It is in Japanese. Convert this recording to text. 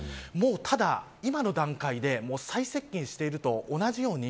ただ、今の段階で最接近していると同じように